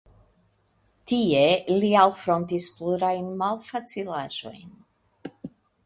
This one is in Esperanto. Tie li alfrontis plurajn malfacilaĵojn.